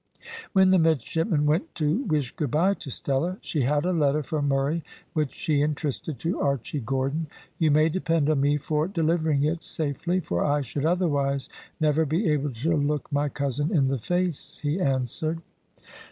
When the midshipmen went to wish goodbye to Stella, she had a letter for Murray, which she entrusted to Archy Gordon. "You may depend on me for delivering it safely; for I should otherwise never be able to look my cousin in the face," he answered.